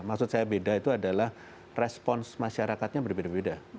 maksud saya beda itu adalah respons masyarakatnya berbeda beda